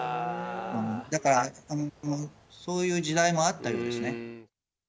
うんだからそういう時代もあったようですね。